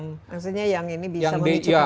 maksudnya yang ini bisa memicu